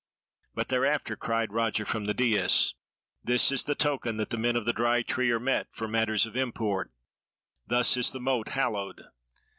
But thereafter cried Roger from the dais: "This is the token that the men of the Dry Tree are met for matters of import; thus is the Mote hallowed.